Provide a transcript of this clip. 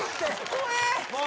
怖え！